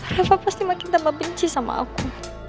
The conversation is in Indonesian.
kenapa pasti makin tambah benci sama aku